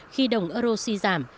khi đồng euro suy giảm